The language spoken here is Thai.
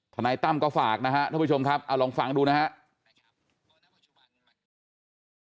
ทนายตั้มก็ฝากนะฮะทุกผู้ชมครับลองฟังดูนะครับ